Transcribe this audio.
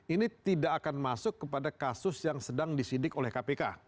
ini tidak akan masuk kepada kasus yang sedang disidik oleh kpk